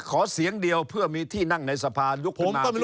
ขอเสียงเดียวเพื่อมีที่นั่งในสภายกขึ้นมา